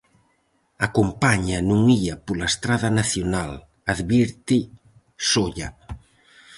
"A Compaña non ía pola estrada nacional", advirte Solla.